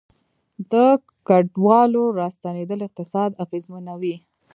د کډوالو راستنیدل اقتصاد اغیزمنوي